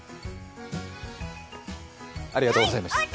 ありがとうございます。